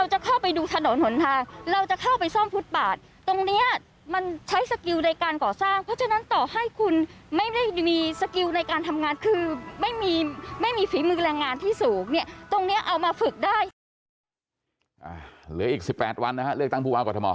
เหลืออีก๑๘วันนะฮะเลือกตั้งผู้ว่ากรทม